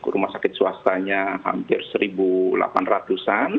rumah sakit swastanya hampir satu delapan ratus an